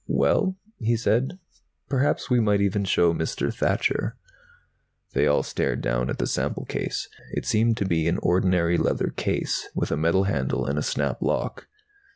"Well?" he said. "Perhaps we might even show Mr. Thacher." They all stared down at the sample case. It seemed to be an ordinary leather case, with a metal handle and a snap lock.